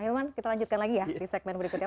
hilman kita lanjutkan lagi ya di segmen berikutnya